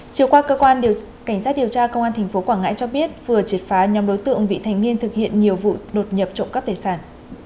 chiều qua cơ quan điều cảnh sát điều tra công an tp quảng ngãi cho biết vừa triệt phá nhóm đối tượng vị thành niên thực hiện nhiều vụ đột nhập trộm cắp tài sản